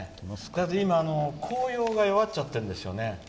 今、紅葉が弱っちゃってるんですよね。